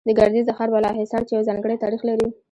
د ګردېز د ښار بالا حصار، چې يو ځانگړى تاريخ لري